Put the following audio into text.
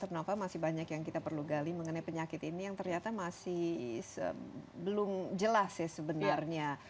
nova masih banyak yang kita perlu gali mengenai penyakit ini yang ternyata masih belum jelas ya sebenarnya